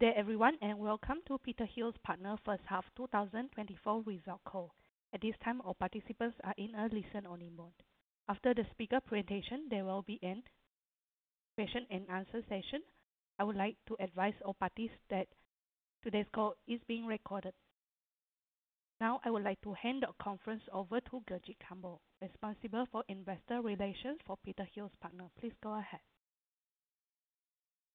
Good day everyone, and welcome to Petershill Partners' H1 2024 Results Call. At this time, all participants are in a listen-only mode. After the speaker presentation, there will be a Q&A session. I would like to advise all parties that today's call is being recorded. Now, I would like to hand the conference over to Gurjit Kambo, responsible for investor relations for Petershill Partners. Please go ahead.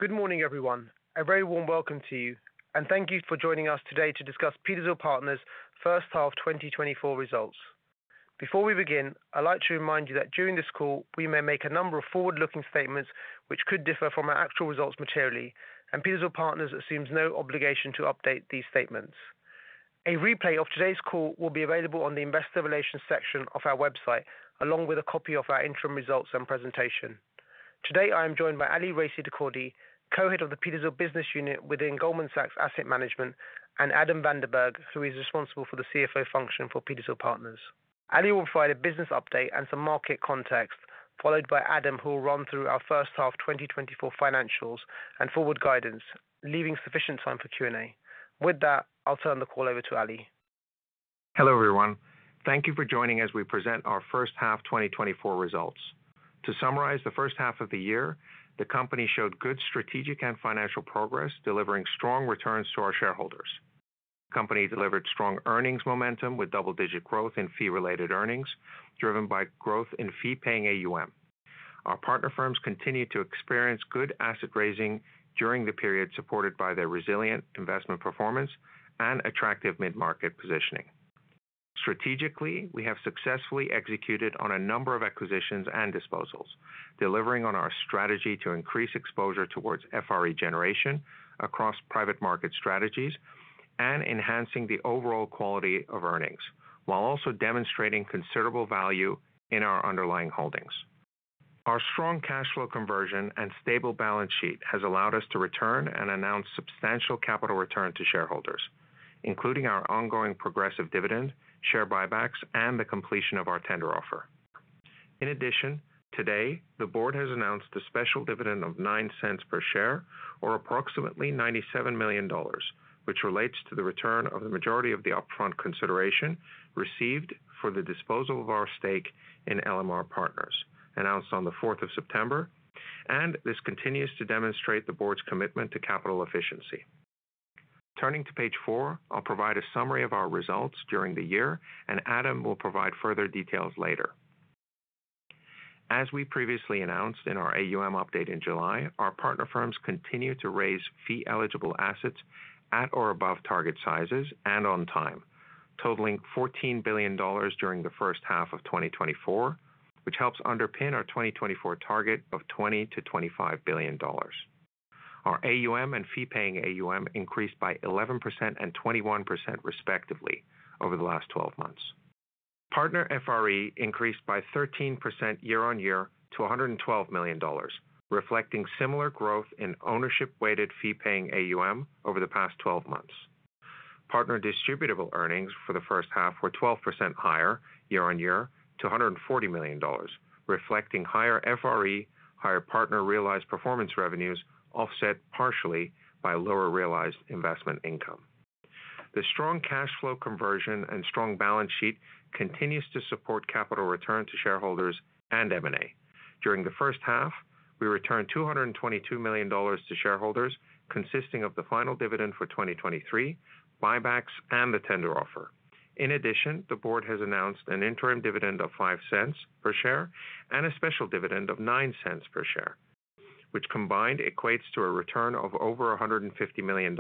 Good morning, everyone. A very warm welcome to you, and thank you for joining us today to discuss Petershill Partners' H1 2024 Results. Before we begin, I'd like to remind you that during this call, we may make a number of forward-looking statements which could differ from our actual results materially, and Petershill Partners assumes no obligation to update these statements. A replay of today's call will be available on the investor relations section of our website, along with a copy of our interim results and presentation. Today, I am joined by Ali Raissi-Dehkordy, co-head of the Petershill Business Unit within Goldman Sachs Asset Management, and Adam Van der Berg, who is responsible for the CFO function for Petershill Partners. Ali will provide a business update and some market context, followed by Adam, who will run through our H1 2024 financials and forward guidance, leaving sufficient time for Q&A. With that, I'll turn the call over to Ali. Hello, everyone. Thank you for joining as we present our H1 2024 Results. To summarize the H1 of the year, the company showed good strategic and financial progress, delivering strong returns to our shareholders. The company delivered strong earnings momentum with double-digit growth in fee-related earnings, driven by growth in fee-paying AUM. Our partner firms continued to experience good asset raising during the period, supported by their resilient investment performance and attractive mid-market positioning. Strategically, we have successfully executed on a number of acquisitions and disposals, delivering on our strategy to increase exposure towards FRE generation across private market strategies and enhancing the overall quality of earnings, while also demonstrating considerable value in our underlying holdings. Our strong cash flow conversion and stable balance sheet has allowed us to return and announce substantial capital return to shareholders, including our ongoing progressive dividend, share buybacks, and the completion of our tender offer. In addition, today, the Board has announced a special dividend of $0.09 per share, or approximately $97 million, which relates to the return of the majority of the upfront consideration received for the disposal of our stake in LMR Partners, announced on the fourth of September, and this continues to demonstrate the Board's commitment to capital efficiency. Turning to page 4, I'll provide a summary of our results during the year, and Adam will provide further details later. As we previously announced in our AUM update in July, our partner firms continued to raise fee-eligible assets at or above target sizes and on time, totaling $14 billion during the H1 of 2024, which helps underpin our 2024 target of $20-$25 billion. Our AUM and fee-paying AUM increased by 11% and 21%, respectively, over the last twelve months. Partner FRE increased by 13% year on year to $112 million, reflecting similar growth in ownership-weighted fee-paying AUM over the past twelve months. Partner distributable earnings for the H1 were 12% higher year on year to $140 million, reflecting higher FRE, higher partner realized performance revenues, offset partially by lower realized investment income. The strong cash flow conversion and strong balance sheet continues to support capital return to shareholders and M&A. During the H1, we returned $222 million to shareholders, consisting of the final dividend for 2023, buybacks, and the tender offer. In addition, the board has announced an interim dividend of $0.05 per share and a special dividend of $0.09 per share, which combined equates to a return of over $150 million.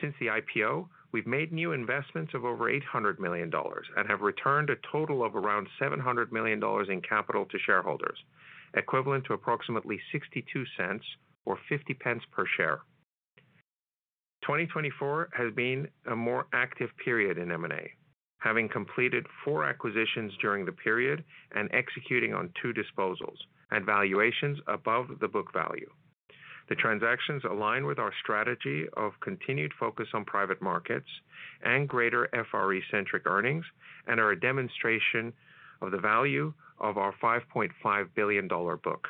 Since the IPO, we've made new investments of over $800 million and have returned a total of around $700 million in capital to shareholders, equivalent to approximately $0.62 or 50 pence per share. 2024 has been a more active period in M&A, having completed four acquisitions during the period and executing on two disposals at valuations above the book value. The transactions align with our strategy of continued focus on private markets and greater FRE-centric earnings and are a demonstration of the value of our $5.5 billion book.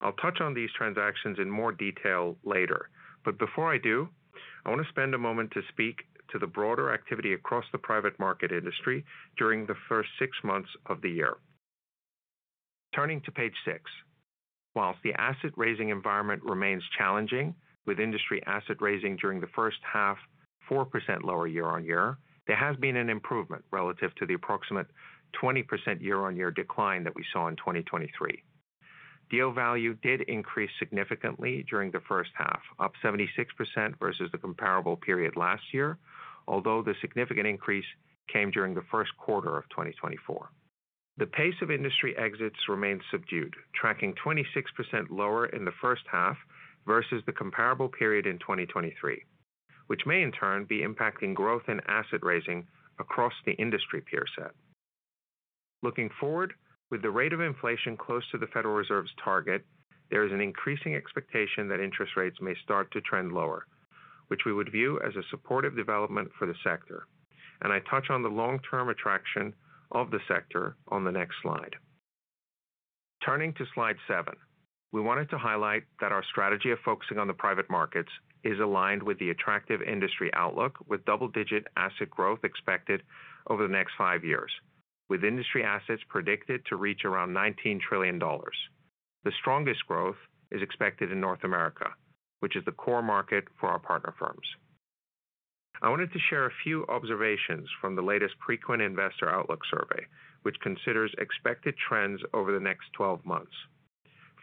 I'll touch on these transactions in more detail later, but before I do, I want to spend a moment to speak to the broader activity across the private market industry during the first six months of the year. Turning to page six. While the asset-raising environment remains challenging, with industry asset raising during the H1 4% lower year on year, there has been an improvement relative to the approximate 20% year on year decline that we saw in 2023. Deal value did increase significantly during the H1, up 76% versus the comparable period last year, although the significant increase came during the Q1 of 2024. The pace of industry exits remained subdued, tracking 26% lower in the H1 versus the comparable period in 2023, which may in turn be impacting growth in asset raising across the industry peer set. Looking forward, with the rate of inflation close to the Federal Reserve's target, there is an increasing expectation that interest rates may start to trend lower, which we would view as a supportive development for the sector, and I touch on the long-term attraction of the sector on the next slide. Turning to slide seven. We wanted to highlight that our strategy of focusing on the private markets is aligned with the attractive industry outlook, with double-digit asset growth expected over the next five years, with industry assets predicted to reach around $19 trillion. The strongest growth is expected in North America, which is the core market for our partner firms. I wanted to share a few observations from the latest Preqin Investor Outlook survey, which considers expected trends over the next twelve months.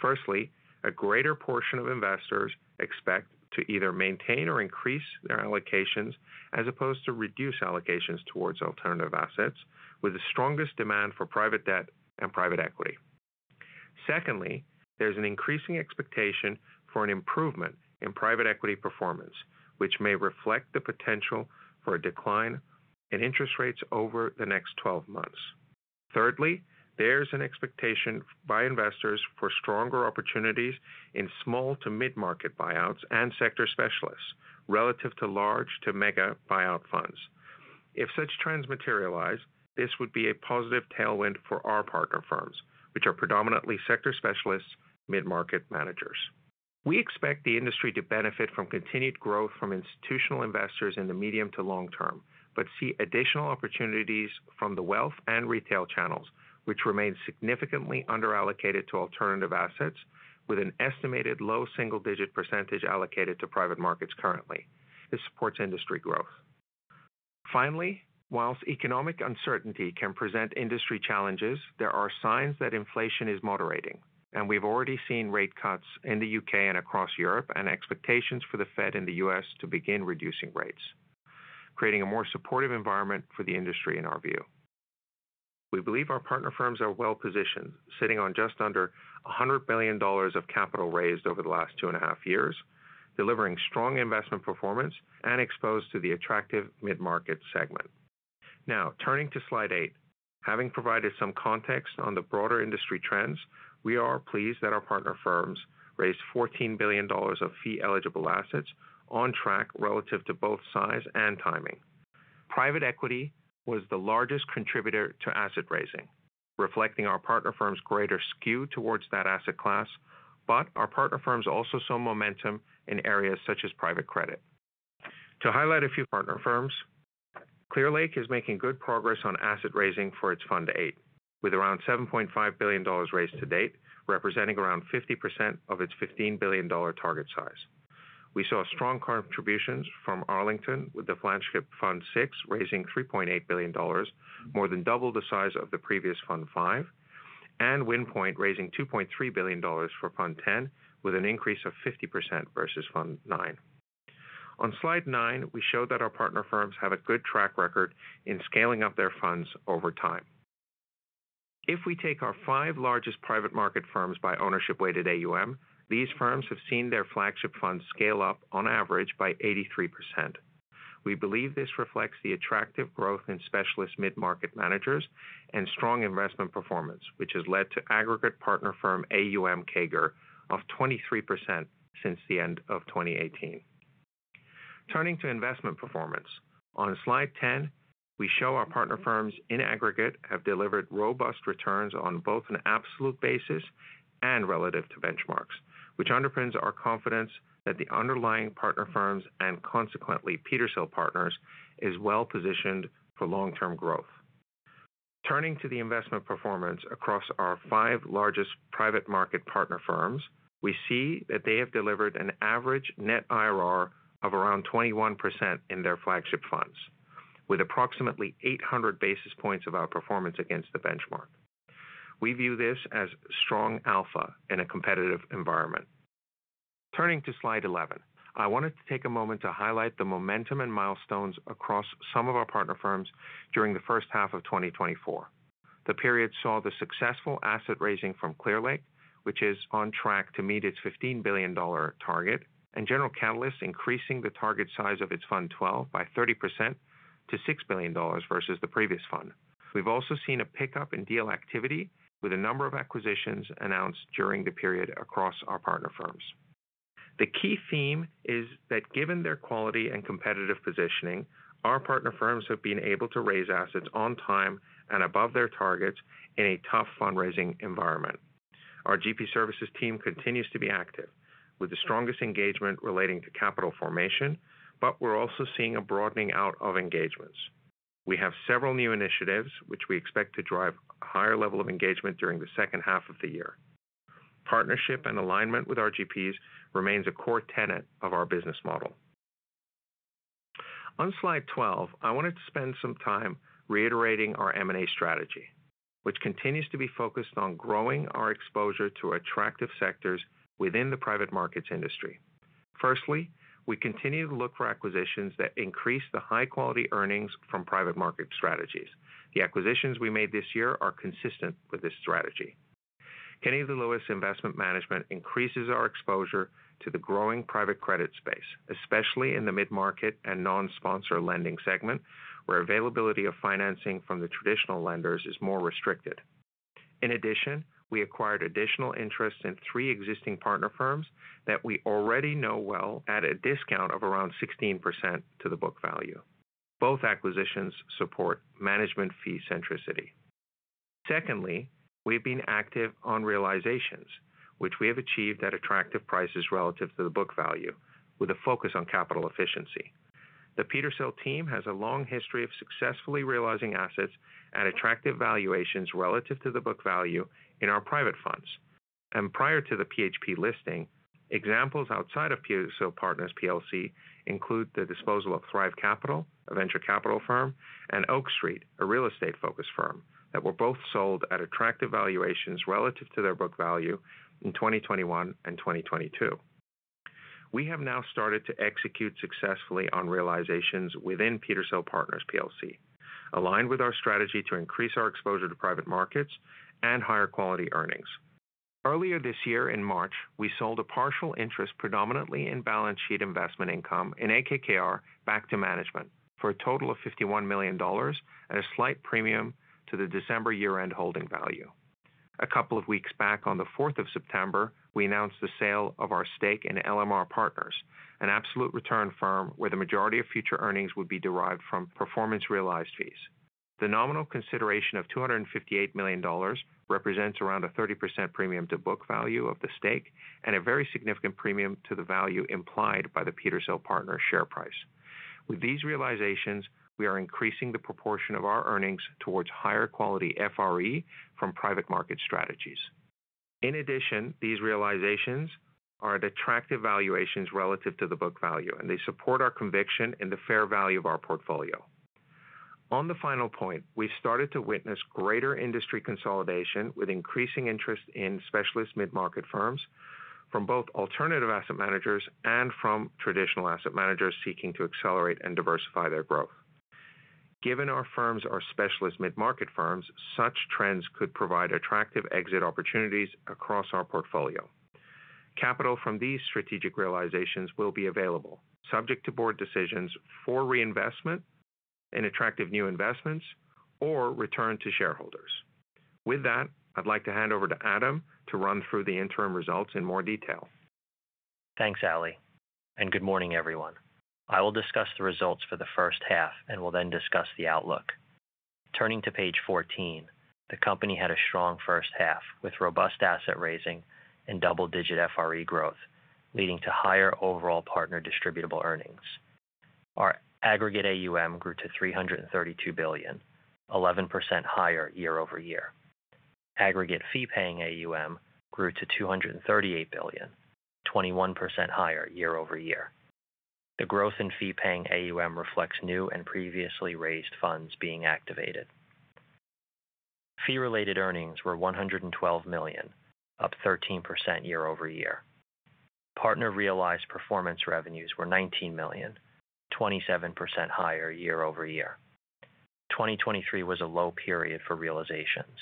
Firstly, a greater portion of investors expect to either maintain or increase their allocations, as opposed to reduce allocations towards alternative assets, with the strongest demand for private debt and private equity. Secondly, there's an increasing expectation for an improvement in private equity performance, which may reflect the potential for a decline in interest rates over the next twelve months. Thirdly, there's an expectation by investors for stronger opportunities in small to mid-market buyouts and sector specialists relative to large to mega buyout funds. If such trends materialize, this would be a positive tailwind for our partner firms, which are predominantly sector specialists, mid-market managers. We expect the industry to benefit from continued growth from institutional investors in the medium to long term, but see additional opportunities from the wealth and retail channels, which remain significantly underallocated to alternative assets with an estimated low single-digit % allocated to private markets currently. This supports industry growth. Finally, whilst economic uncertainty can present industry challenges, there are signs that inflation is moderating, and we've already seen rate cuts in the U.K. and across Europe, and expectations for the Fed in the U.S. to begin reducing rates, creating a more supportive environment for the industry, in our view. We believe our partner firms are well-positioned, sitting on just under $100 billion of capital raised over the last two and a half years, delivering strong investment performance and exposed to the attractive mid-market segment. Now, turning to Slide eight. Having provided some context on the broader industry trends, we are pleased that our partner firms raised $14 billion of fee-eligible assets on track relative to both size and timing. Private equity was the largest contributor to asset raising, reflecting our partner firms' greater skew towards that asset class, but our partner firms also saw momentum in areas such as private credit. To highlight a few partner firms, Clearlake is making good progress on asset raising for its Fund Eight, with around $7.5 billion raised to date, representing around 50% of its $15 billion target size. We saw strong contributions from Arlington, with the flagship Fund Six raising $3.8 billion, more than double the size of the previous Fund Five, and Wind Point raising $2.3 billion for Fund Ten, with an increase of 50% versus Fund Nine. On Slide nine, we show that our partner firms have a good track record in scaling up their funds over time. If we take our five largest private market firms by ownership weighted AUM, these firms have seen their flagship funds scale up on average by 83%. We believe this reflects the attractive growth in specialist mid-market managers and strong investment performance, which has led to aggregate partner firm AUM CAGR of 23% since the end of 2018. Turning to investment performance. On Slide ten, we show our partner firms in aggregate have delivered robust returns on both an absolute basis and relative to benchmarks, which underpins our confidence that the underlying partner firms and consequently Petershill Partners is well positioned for long-term growth. Turning to the investment performance across our five largest private market partner firms, we see that they have delivered an average net IRR of around 21% in their flagship funds, with approximately 800 basis points of outperformance against the benchmark. We view this as strong alpha in a competitive environment. Turning to Slide 11. I wanted to take a moment to highlight the momentum and milestones across some of our partner firms during the H1 of 2024. The period saw the successful asset raising from Clearlake, which is on track to meet its $15 billion target, and General Catalyst, increasing the target size of its Fund Twelve by 30% to $6 billion versus the previous fund. We've also seen a pickup in deal activity, with a number of acquisitions announced during the period across our partner firms. The key theme is that given their quality and competitive positioning, our partner firms have been able to raise assets on time and above their targets in a tough fundraising environment. Our GP Services team continues to be active, with the strongest engagement relating to capital formation, but we're also seeing a broadening out of engagements. We have several new initiatives which we expect to drive a higher level of engagement during the H2 of the year. Partnership and alignment with our GPs remains a core tenet of our business model. On Slide 12, I wanted to spend some time reiterating our M&A strategy, which continues to be focused on growing our exposure to attractive sectors within the private markets industry. Firstly, we continue to look for acquisitions that increase the high-quality earnings from private market strategies. The acquisitions we made this year are consistent with this strategy. Kennedy Lewis Investment Management increases our exposure to the growing private credit space, especially in the mid-market and non-sponsor lending segment, where availability of financing from the traditional lenders is more restricted. In addition, we acquired additional interest in three existing partner firms that we already know well at a discount of around 16% to the book value. Both acquisitions support management fee centricity. Secondly, we've been active on realizations, which we have achieved at attractive prices relative to the book value, with a focus on capital efficiency. The Petershill team has a long history of successfully realizing assets at attractive valuations relative to the book value in our private funds. Prior to the PHP listing, examples outside of Petershill Partners PLC include the disposal of Thrive Capital, a venture capital firm, and Oak Street, a real estate-focused firm, that were both sold at attractive valuations relative to their book value in 2021 and 2022. We have now started to execute successfully on realizations within Petershill Partners PLC, aligned with our strategy to increase our exposure to private markets and higher quality earnings. Earlier this year, in March, we sold a partial interest, predominantly in balance sheet investment income in AKKR, back to management for a total of $51 million at a slight premium to the December year-end holding value. A couple of weeks back, on the fourth of September, we announced the sale of our stake in LMR Partners, an absolute return firm, where the majority of future earnings would be derived from performance realized fees. The nominal consideration of $258 million represents around a 30% premium to book value of the stake and a very significant premium to the value implied by the Petershill Partners share price. With these realizations, we are increasing the proportion of our earnings towards higher quality FRE from private market strategies. In addition, these realizations are at attractive valuations relative to the book value, and they support our conviction in the fair value of our portfolio. On the final point, we've started to witness greater industry consolidation, with increasing interest in specialist mid-market firms from both alternative asset managers and from traditional asset managers seeking to accelerate and diversify their growth. Given our firms are specialist mid-market firms, such trends could provide attractive exit opportunities across our portfolio. Capital from these strategic realizations will be available, subject to board decisions for reinvestment in attractive new investments or return to shareholders. With that, I'd like to hand over to Adam to run through the interim results in more detail. Thanks, Ali, and good morning, everyone. I will discuss the results for the H1 and will then discuss the outlook. Turning to page 14, the company had a strong H1, with robust asset raising and double-digit FRE growth, leading to higher overall partner distributable earnings. Our aggregate AUM grew to $332 billion, 11% higher year over year. Aggregate fee-paying AUM grew to $238 billion, 21% higher year over year. The growth in fee-paying AUM reflects new and previously raised funds being activated. Fee-related earnings were $112 million, up 13% year over year. Partner realized performance revenues were $19 million, 27% higher year over year. 2023 was a low period for realizations.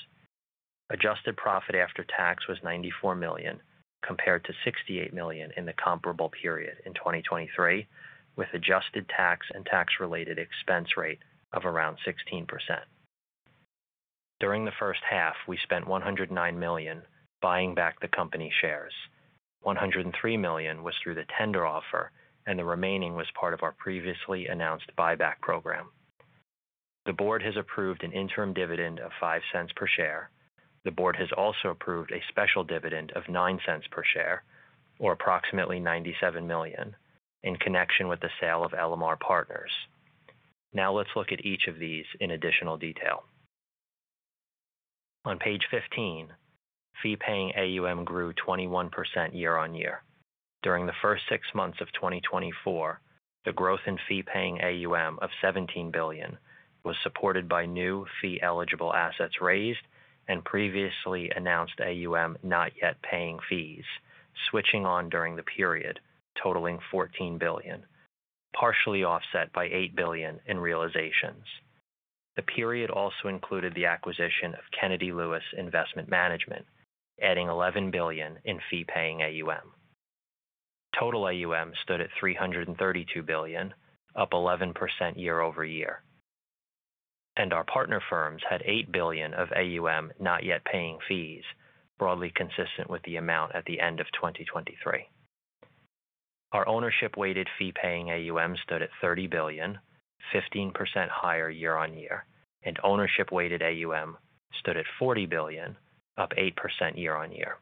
Adjusted profit after tax was $94 million, compared to $68 million in the comparable period in 2023, with adjusted tax and tax-related expense rate of around 16%. During the H1, we spent $109 million buying back the company shares. $103 million was through the tender offer, and the remaining was part of our previously announced buyback program. The board has approved an interim dividend of $0.05 per share. The board has also approved a special dividend of $0.09 per share, or approximately $97 million, in connection with the sale of LMR Partners. Now let's look at each of these in additional detail. On page 15, fee-paying AUM grew 21% year on year. During the first six months of 2024, the growth in fee-paying AUM of 17 billion was supported by new fee-eligible assets raised and previously announced AUM, not yet paying fees, switching on during the period, totaling 14 billion, partially offset by 8 billion in realizations. The period also included the acquisition of Kennedy Lewis Investment Management, adding 11 billion in fee-paying AUM. Total AUM stood at 332 billion, up 11% year over year, and our partner firms had 8 billion of AUM, not yet paying fees, broadly consistent with the amount at the end of 2023. Our ownership-weighted fee-paying AUM stood at 30 billion, 15% higher year on year, and ownership-weighted AUM stood at 40 billion, up 8% year on year.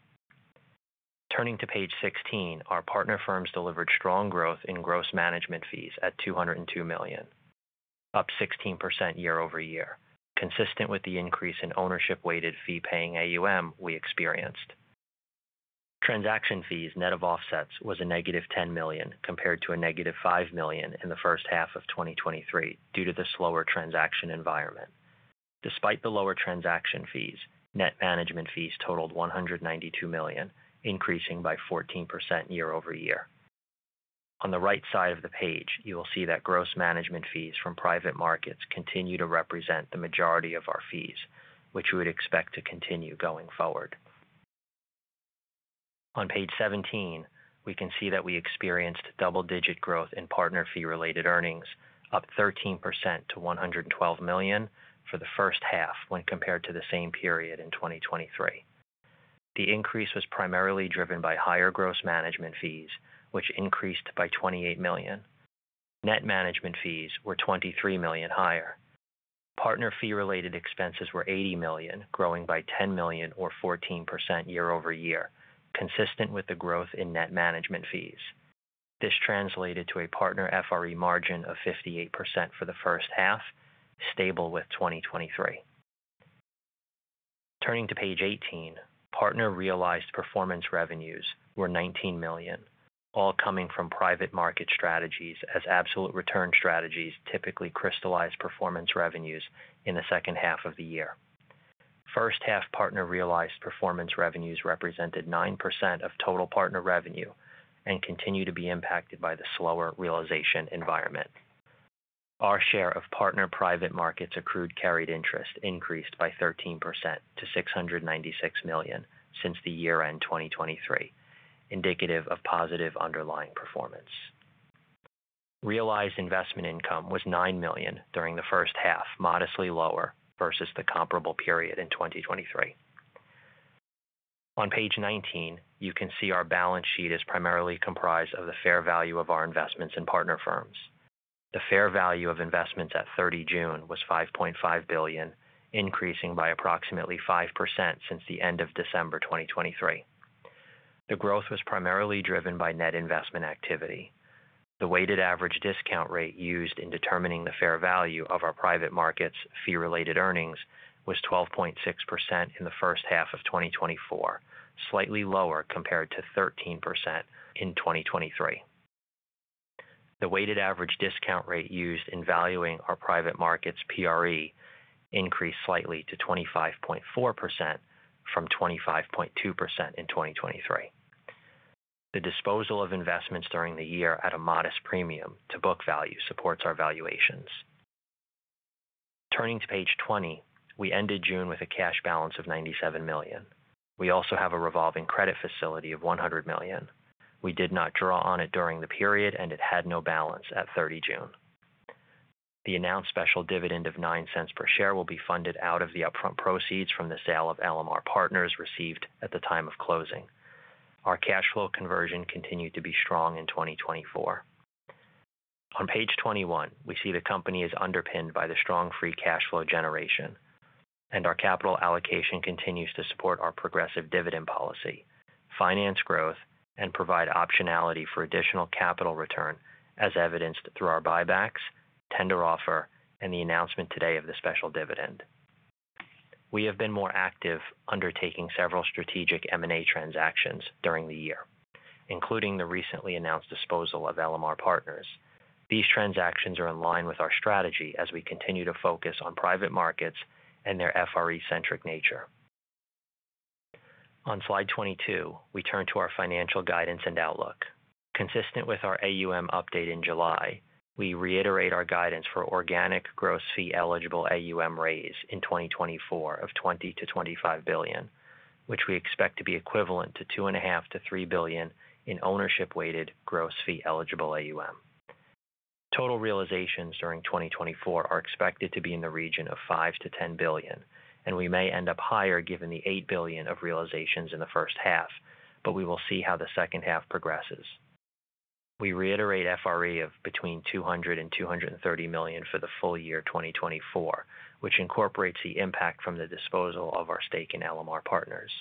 Turning to page sixteen, our partner firms delivered strong growth in gross management fees at 202 million, up 16% year over year, consistent with the increase in ownership-weighted fee-paying AUM we experienced. Transaction fees net of offsets was a negative 10 million, compared to a negative 5 million in the H1 of 2023, due to the slower transaction environment. Despite the lower transaction fees, net management fees totaled 192 million, increasing by 14% year over year. On the right side of the page, you will see that gross management fees from private markets continue to represent the majority of our fees, which we would expect to continue going forward. On page 17, we can see that we experienced double-digit growth in partner fee-related earnings, up 13% to 112 million for the H1 when compared to the same period in 2023. The increase was primarily driven by higher gross management fees, which increased by 28 million. Net management fees were 23 million higher. Partner fee-related expenses were 80 million, growing by 10 million or 14% year-over-year, consistent with the growth in net management fees. This translated to a partner FRE margin of 58% for the H1, stable with 2023. Turning to page 18, partner realized performance revenues were 19 million, all coming from private market strategies as absolute return strategies typically crystallize performance revenues in the H2 of the year. H1 partner realized performance revenues represented 9% of total partner revenue and continue to be impacted by the slower realization environment. Our share of partner private markets accrued carried interest increased by 13% to $696 million since the year-end 2023, indicative of positive underlying performance. Realized investment income was $9 million during the H1, modestly lower versus the comparable period in 2023. On page 19, you can see our balance sheet is primarily comprised of the fair value of our investments in partner firms. The fair value of investments at 30 June was $5.5 billion, increasing by approximately 5% since the end of December 2023. The growth was primarily driven by net investment activity. The weighted average discount rate used in determining the fair value of our private markets fee-related earnings was 12.6% in the H1 of 2024, slightly lower compared to 13% in 2023. The weighted average discount rate used in valuing our private markets PRE increased slightly to 25.4% from 25.2% in 2023. The disposal of investments during the year at a modest premium to book value supports our valuations. Turning to page 20, we ended June with a cash balance of 97 million. We also have a revolving credit facility of 100 million. We did not draw on it during the period, and it had no balance at 30 June. The announced special dividend of $0.09 per share will be funded out of the upfront proceeds from the sale of LMR Partners received at the time of closing. Our cash flow conversion continued to be strong in 2024. On page 21, we see the company is underpinned by the strong free cash flow generation, and our capital allocation continues to support our progressive dividend policy, finance growth and provide optionality for additional capital return as evidenced through our buybacks, tender offer, and the announcement today of the special dividend. We have been more active undertaking several strategic M&A transactions during the year, including the recently announced disposal of LMR Partners. These transactions are in line with our strategy as we continue to focus on private markets and their FRE-centric nature. On slide 22, we turn to our financial guidance and outlook. Consistent with our AUM update in July, we reiterate our guidance for organic gross fee-eligible AUM raise in 2024 of 20-25 billion, which we expect to be equivalent to 2.5-3 billion in ownership-weighted gross fee-eligible AUM. Total realizations during 2024 are expected to be in the region of 5-10 billion, and we may end up higher given the 8 billion of realizations in the H1, but we will see how the H2 progresses. We reiterate FRE of between 200 and 230 million for the full year 2024, which incorporates the impact from the disposal of our stake in LMR Partners.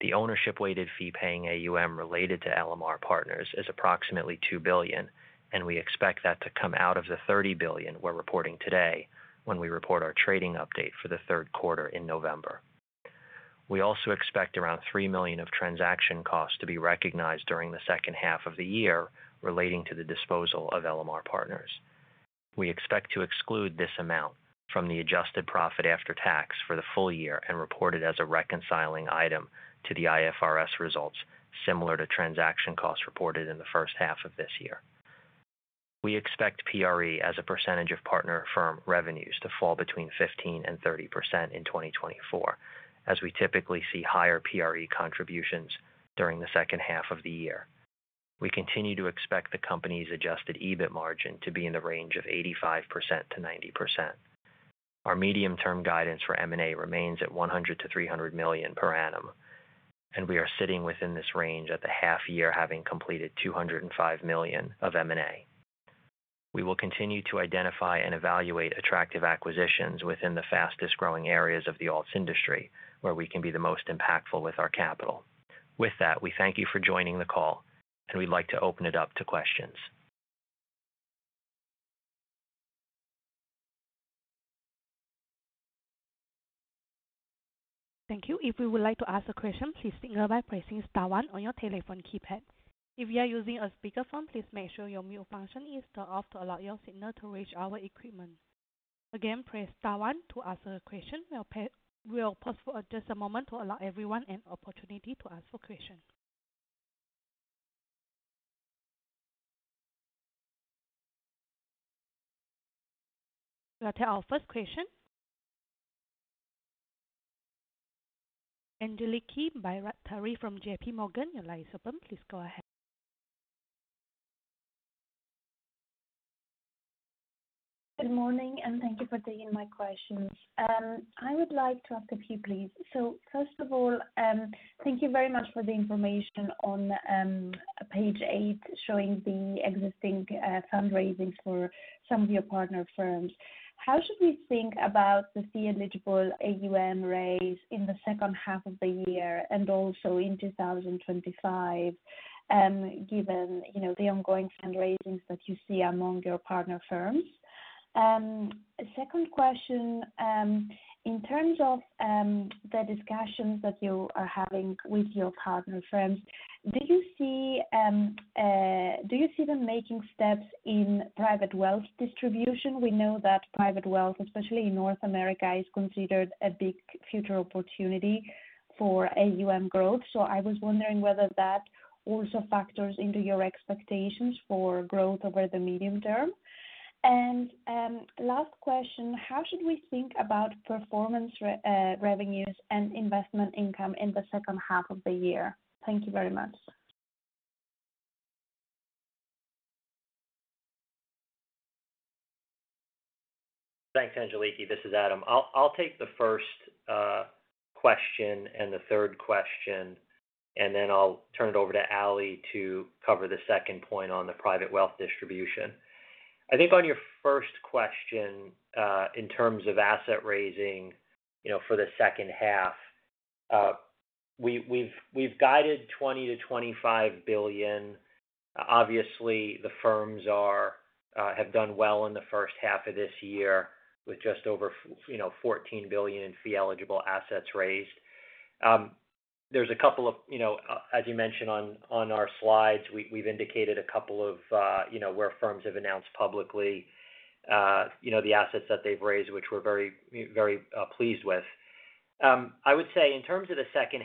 The ownership weighted fee-paying AUM related to LMR Partners is approximately $2 billion, and we expect that to come out of the $30 billion we're reporting today when we report our trading update for the Q3 in November. We also expect around $3 million of transaction costs to be recognized during the H2 of the year relating to the disposal of LMR Partners. We expect to exclude this amount from the adjusted profit after tax for the full year and report it as a reconciling item to the IFRS results, similar to transaction costs reported in the H1 of this year. We expect PRE as a percentage of partner firm revenues to fall between 15% and 30% in 2024, as we typically see higher PRE contributions during the H2 of the year. We continue to expect the company's adjusted EBIT margin to be in the range of 85%-90%. Our medium-term guidance for M&A remains at 100-300 million per annum, and we are sitting within this range at the half year, having completed 205 million of M&A. We will continue to identify and evaluate attractive acquisitions within the fastest growing areas of the alts industry, where we can be the most impactful with our capital. With that, we thank you for joining the call, and we'd like to open it up to questions. Thank you. If you would like to ask a question, please signal by pressing star one on your telephone keypad. If you are using a speakerphone, please make sure your mute function is turned off to allow your signal to reach our equipment. Again, press star one to ask a question. We'll pause for just a moment to allow everyone an opportunity to ask a question. I'll take our first question. Angeliki Bairaktari from J.P. Morgan, your line is open. Please go ahead. Good morning, and thank you for taking my questions. I would like to ask a few, please. So first of all, thank you very much for the information on page eight, showing the existing fundraising for some of your partner firms. How should we think about the fee-eligible AUM raise in the H2 of the year and also in 2025, given you know the ongoing fundraisings that you see among your partner firms? Second question, in terms of the discussions that you are having with your partner firms, do you see them making steps in private wealth distribution? We know that private wealth, especially in North America, is considered a big future opportunity for AUM growth. So I was wondering whether that also factors into your expectations for growth over the medium term. Last question, how should we think about performance revenues and investment income in the H2 of the year? Thank you very much. Thanks, Angeliki. This is Adam. I'll take the first question and the third question, and then I'll turn it over to Ali to cover the second point on the private wealth distribution. I think on your first question, in terms of asset raising, you know, for the H2, we've guided 20-25 billion. Obviously, the firms have done well in the H1 of this year with just over you know, fourteen billion in fee-eligible assets raised. There's a couple of, you know, as you mentioned on our slides, we've indicated a couple of, you know, where firms have announced publicly, you know, the assets that they've raised, which we're very, very pleased with. I would say, in terms of the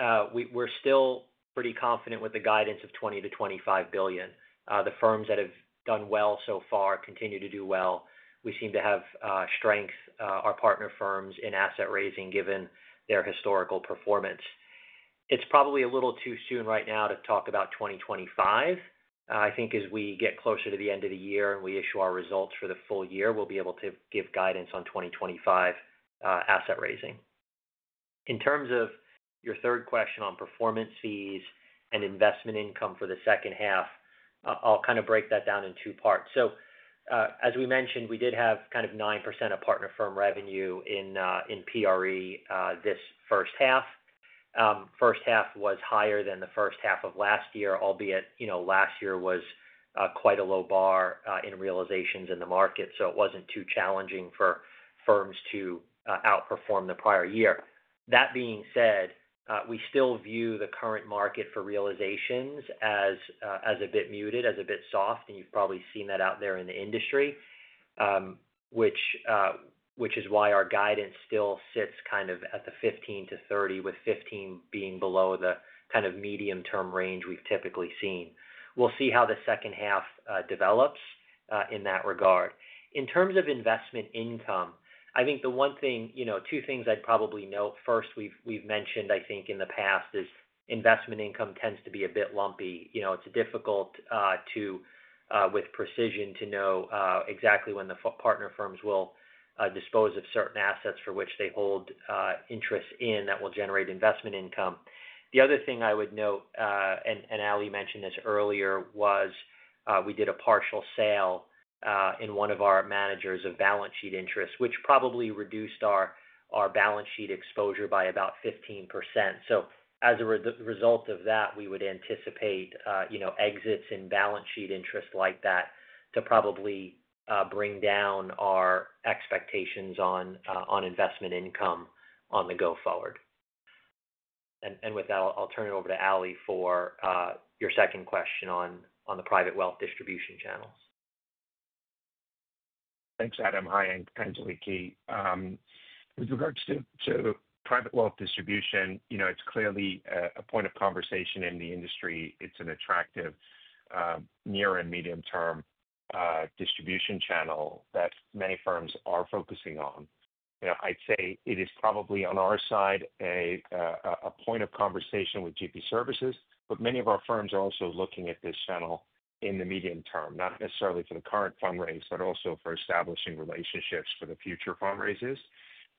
H2, we're still pretty confident with the guidance of 20-25 billion. The firms that have done well so far continue to do well. We seem to have strength in our partner firms in asset raising, given their historical performance. It's probably a little too soon right now to talk about 2025. I think as we get closer to the end of the year and we issue our results for the full year, we'll be able to give guidance on 2025 asset raising. In terms of your third question on performance fees and investment income for the H2, I'll break that down in two parts. As we mentioned, we did have 9% of partner firm revenue in PRE this H1. H1 was higher than the H1 of last year, albeit, you know, last year was quite a low bar in realizations in the market, so it wasn't too challenging for firms to outperform the prior year. That being said, we still view the current market for realizations as a bit muted, as a bit soft, and you've probably seen that out there in the industry, which is why our guidance still sits at the fifteen to thirty, with fifteen being below the medium-term range we've typically seen. We'll see how the H2 develops in that regard. In terms of investment income, I think the one thing, you know, two things I'd probably note. First, we've mentioned, I think, in the past, is investment income tends to be a bit lumpy. You know, it's difficult with precision to know exactly when the partner firms will dispose of certain assets for which they hold interest in that will generate investment income. The other thing I would note, and Ali mentioned this earlier, was we did a partial sale in one of our managers of balance sheet interests, which probably reduced our balance sheet exposure by about 15%. So as a result of that, we would anticipate, you know, exits in balance sheet interests like that to probably bring down our expectations on investment income on the go forward, and with that, I'll turn it over to Ali for your second question on the private wealth distribution channels. Thanks, Adam. Hi, Angeliki. With regards to private wealth distribution, you know, it's clearly a point of conversation in the industry. It's an attractive near and medium-term distribution channel that many firms are focusing on. You know, I'd say it is probably, on our side, a point of conversation with GP Services, but many of our firms are also looking at this channel in the medium term, not necessarily for the current fundraise, but also for establishing relationships for the future fundraisers.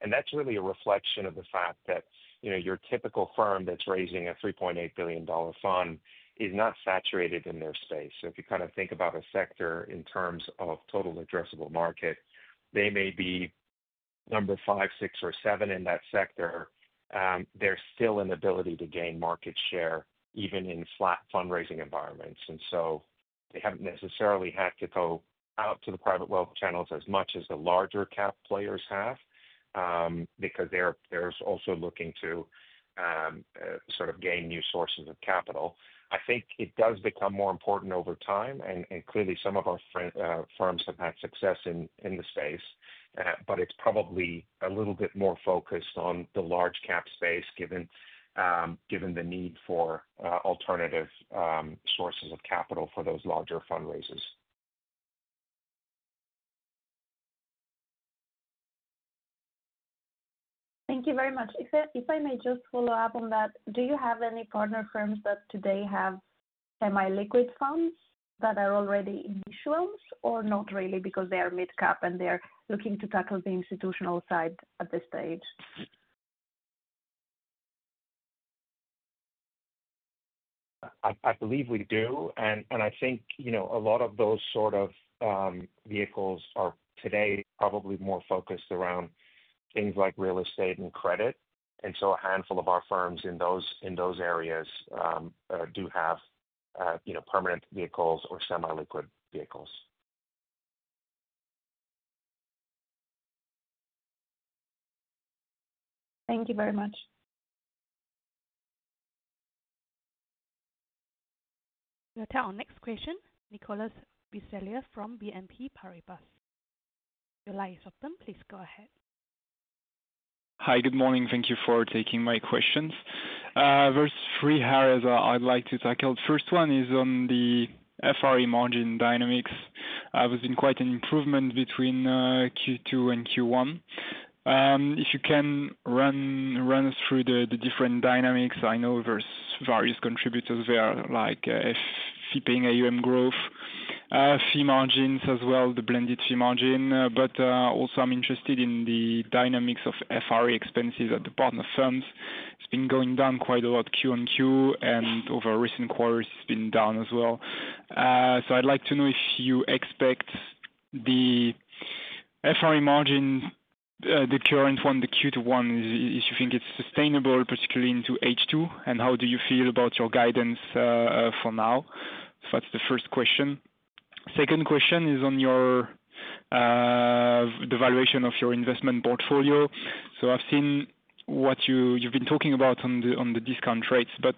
And that's really a reflection of the fact that, you know, your typical firm that's raising a $3.8 billion fund is not saturated in their space. So if you think about a sector in terms of total addressable market, they may be number five, six, or seven in that sector. There's still an ability to gain market share, even in flat fundraising environments. And so they haven't necessarily had to go out to the private wealth channels as much as the larger cap players have, because they're, they're also looking to gain new sources of capital. I think it does become more important over time, and, and clearly some of our firms have had success in, in the space. But it's probably a little bit more focused on the large cap space, given, given the need for, alternative, sources of capital for those larger fundraisers.... Thank you very much. If I may just follow up on that, do you have any partner firms that today have semi-liquid funds that are already in issuance or not really, because they are mid-cap, and they are looking to tackle the institutional side at this stage? I believe we do. And I think, you know, a lot of those vehicles are today probably more focused around things like real estate and credit. And so a handful of our firms in those areas do have, you know, permanent vehicles or semi-liquid vehicles. Thank you very much. We'll take our next question, Nicholas Biselier from BNP Paribas. Your line is open. Please go ahead. Hi, good morning. Thank you for taking my questions. There's three areas I'd like to tackle. First one is on the FRE margin dynamics. It was in quite an improvement between Q2 and Q1. If you can run us through the different dynamics. I know there's various contributors there, like fee paying AUM growth, fee margins as well, the blended fee margin. But also I'm interested in the dynamics of FRE expenses at the partner firms. It's been going down quite a lot Q on Q, and over recent quarters it's been down as well. So I'd like to know if you expect the FRE margin, the current one, the Q2 one, if you think it's sustainable, particularly into H2, and how do you feel about your guidance for now? So that's the first question. Second question is on your, the valuation of your investment portfolio. So I've seen what you've been talking about on the discount rates, but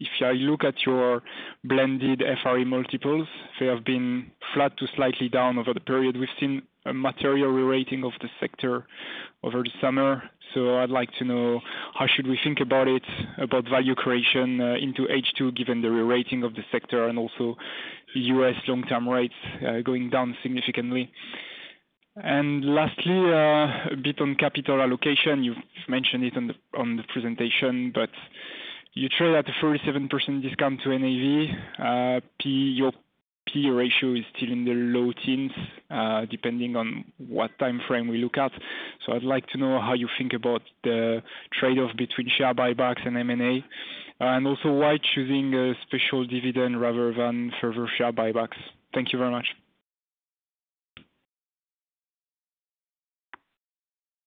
if I look at your blended FRE multiples, they have been flat to slightly down over the period. We've seen a material rerating of the sector over the summer. So I'd like to know, how should we think about it, about value creation into H2, given the rerating of the sector and also the U.S. long-term rates going down significantly? And lastly, a bit on capital allocation. You've mentioned it on the presentation, but you trade at a 37% discount to NAV. Your P/E ratio is still in the low teens, depending on what time frame we look at. So I'd like to know how you think about the trade-off between share buybacks and M&A, and also why choosing a special dividend rather than further share buybacks? Thank you very much.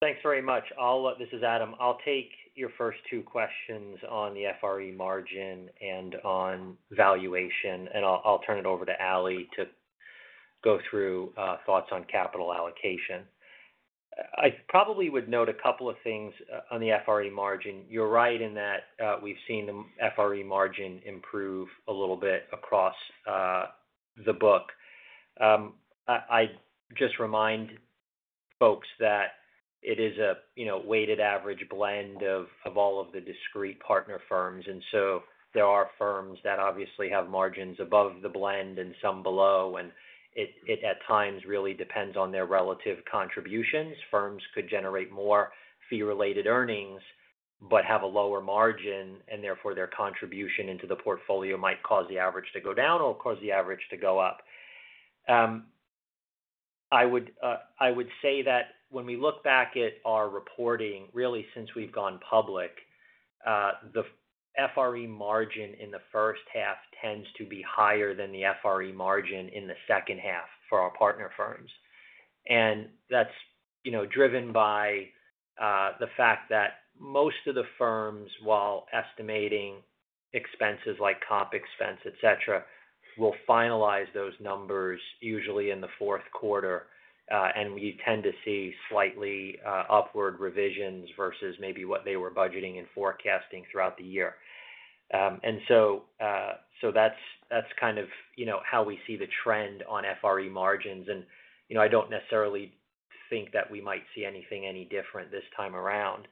Thanks very much. This is Adam. I'll take your first two questions on the FRE margin and on valuation, and I'll turn it over to Ali to go through thoughts on capital allocation. I probably would note a couple of things on the FRE margin. You're right in that we've seen the FRE margin improve a little bit across the book. I'd just remind folks that it is a you know weighted average blend of all of the discrete partner firms, and so there are firms that obviously have margins above the blend and some below, and it at times really depends on their relative contributions. Firms could generate more fee-related earnings, but have a lower margin, and therefore their contribution into the portfolio might cause the average to go down or cause the average to go up. I would say that when we look back at our reporting, really, since we've gone public, the FRE margin in the H1 tends to be higher than the FRE margin in the H2 for our partner firms. And that's, you know, driven by the fact that most of the firms, while estimating expenses like comp expense, et cetera, will finalize those numbers usually in the Q4. And we tend to see slightly upward revisions versus maybe what they were budgeting and forecasting throughout the year. And so that's how we see the trend on FRE margins. And, you know, I don't necessarily think that we might see anything any different this time around.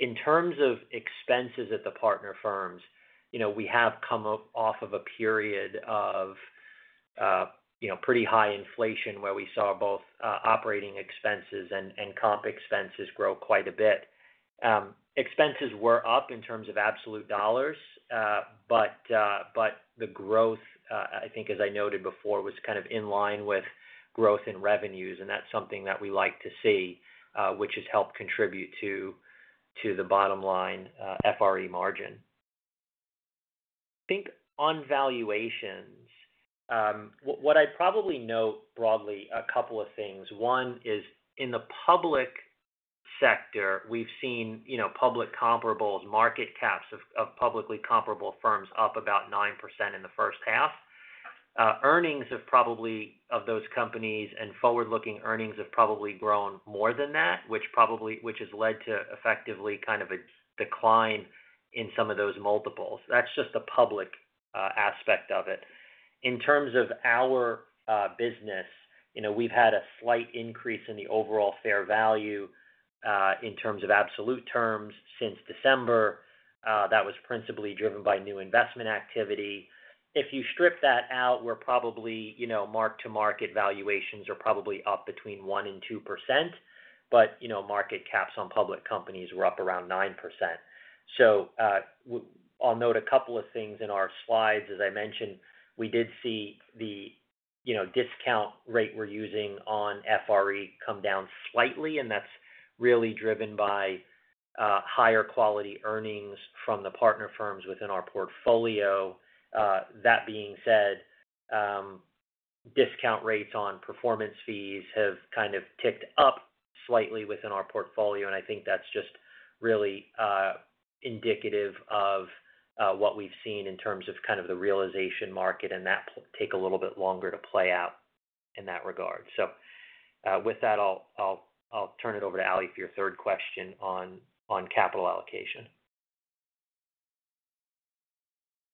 In terms of expenses at the partner firms, you know, we have come off of a period of, you know, pretty high inflation, where we saw both operating expenses and comp expenses grow quite a bit. Expenses were up in terms of absolute dollars, but the growth, I think as I noted before, was in line with growth in revenues, and that's something that we like to see, which has helped contribute to the bottom line, FRE margin. I think on valuations, what I'd probably note broadly a couple of things. One is, in the public sector, we've seen, you know, public comparables, market caps of publicly comparable firms up about 9% in the H1. Earnings, probably of those companies and forward-looking earnings have probably grown more than that, which has led to effectively a decline in some of those multiples. That's just a public aspect of it. In terms of our business, you know, we've had a slight increase in the overall fair value in terms of absolute terms since December. That was principally driven by new investment activity. If you strip that out, we're probably, you know, mark-to-market valuations are probably up between 1% and 2%. But, you know, market caps on public companies were up around 9%. So, I'll note a couple of things in our slides. As I mentioned, we did see, you know, discount rate we're using on FRE come down slightly, and that's really driven by higher quality earnings from the partner firms within our portfolio. That being said, discount rates on performance fees have ticked up slightly within our portfolio, and I think that's just really indicative of what we've seen in terms of the realization market, and that will take a little bit longer to play out in that regard. With that, I'll turn it over to Ali for your third question on capital allocation.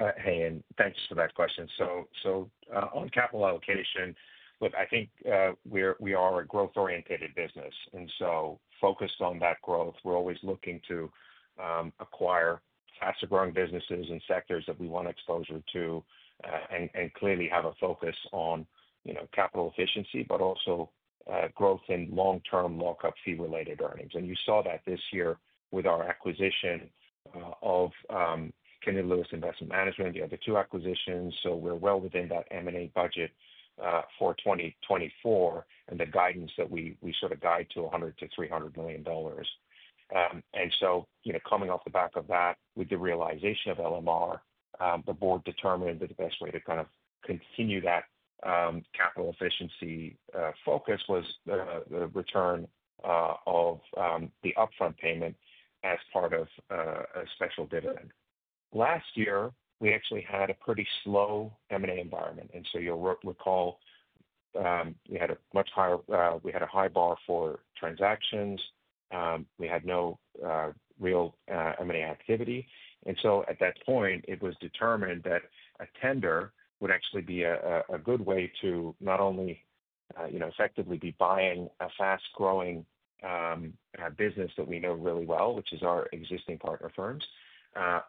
And thanks for that question. So, on capital allocation, look, I think, we're a growth-oriented business, and so focused on that growth. We're always looking to acquire faster growing businesses and sectors that we want exposure to, and clearly have a focus on, you know, capital efficiency, but also growth in long-term lockup fee-related earnings. And you saw that this year with our acquisition of Kennedy Lewis Investment Management, the other two acquisitions. So we're well within that M&A budget for 2024, and the guidance that we guide to $100-$300 million. And so, you know, coming off the back of that, with the realization of LMR, the board determined that the best way to continue that capital efficiency focus was the return of the upfront payment as part of a special dividend. Last year, we actually had a pretty slow M&A environment, and so you'll recall we had a much higher bar for transactions. We had no real M&A activity. And so at that point, it was determined that a tender would actually be a good way to not only, you know, effectively be buying a fast-growing business that we know really well, which is our existing partner firms,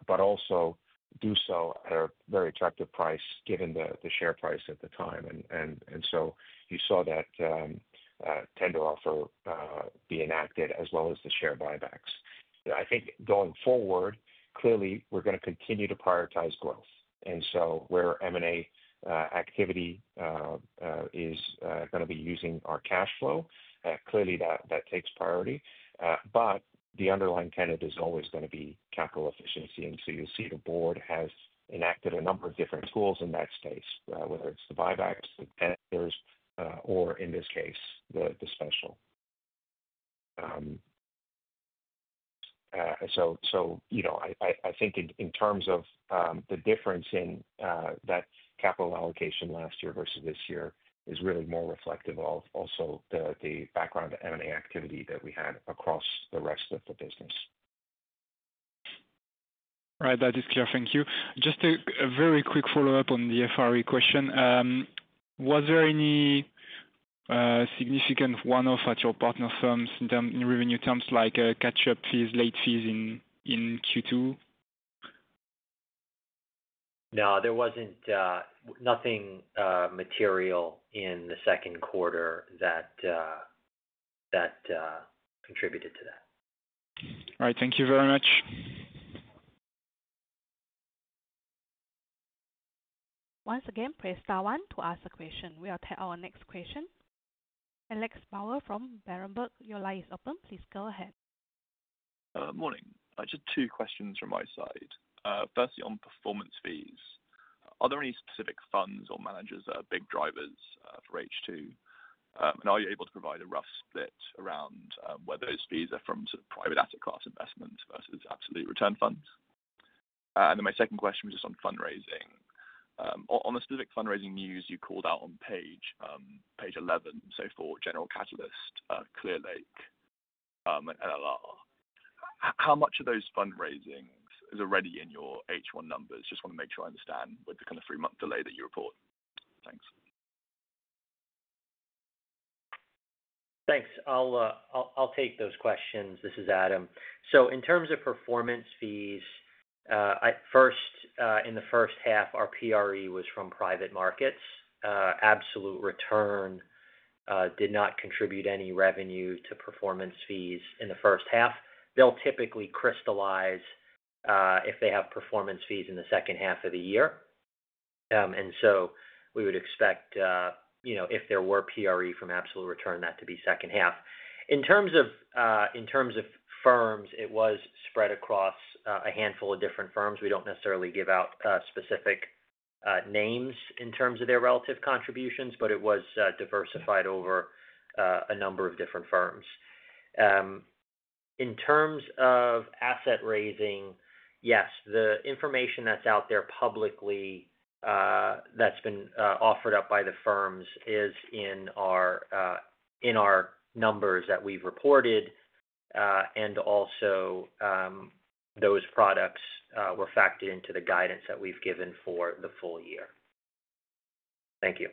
but also do so at a very attractive price, given the share price at the time. And so you saw that tender offer be enacted, as well as the share buybacks. I think going forward, clearly, we're gonna continue to prioritize growth. And so where M&A activity is gonna be using our cash flow, clearly, that takes priority. But the underlying tenet is always gonna be capital efficiency, and so you'll see the board has enacted a number of different tools in that space, whether it's the buybacks, the tenders, or in this case, the special. And so you know, I think in terms of the difference in that capital allocation last year versus this year is really more reflective of also the background M&A activity that we had across the rest of the business. Right, that is clear. Thank you. Just a very quick follow-up on the FRE question. Was there any significant one-off at your partner firms in revenue terms, like catch-up fees, late fees in Q2? No, there wasn't nothing material in the Q2 that contributed to that. All right. Thank you very much. Once again, press star one to ask a question. We will take our next question. Alex Bower from Berenberg, your line is open. Please go ahead. Morning. Just two questions from my side. Firstly, on performance fees, are there any specific funds or managers that are big drivers for H2? And are you able to provide a rough split around whether those fees are from private asset class investments versus absolute return funds? And then my second question was just on fundraising. On the specific fundraising news you called out on page 11, so for General Catalyst, Clearlake, and LLR. How much of those fundraisings is already in your H1 numbers? Just want to make sure I understand with the three-month delay that you report. Thanks. Thanks. I'll take those questions. This is Adam. So in terms of performance fees, I first, in the H1, our PRE was from private markets. Absolute return did not contribute any revenue to performance fees in the H1. They'll typically crystallize, if they have performance fees in the H2 of the year. And so we would expect, you know, if there were PRE from absolute return, that to be H2. In terms of firms, it was spread across, a handful of different firms. We don't necessarily give out, specific, names in terms of their relative contributions, but it was, diversified over, a number of different firms. In terms of asset raising, yes, the information that's out there publicly, that's been offered up by the firms, is in our numbers that we've reported, and also, those products were factored into the guidance that we've given for the full year. Thank you.